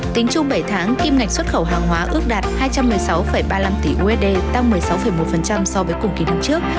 tính chung bảy tháng kim ngạch xuất khẩu hàng hóa ước đạt hai trăm một mươi sáu ba mươi năm tỷ usd tăng một mươi sáu một so với cùng kỳ năm trước